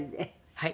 はい。